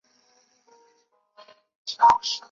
为谢氏成为江左高门大族取得方镇实力。